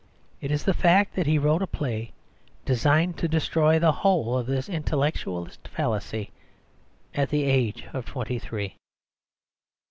It is the fact that he wrote a play designed to destroy the whole of this intellectualist fallacy at the age of twenty three.